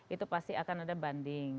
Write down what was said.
itu pasti akan ada banding